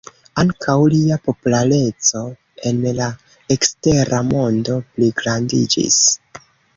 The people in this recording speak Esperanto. Ankaŭ lia populareco en la ekstera mondo pligrandiĝis.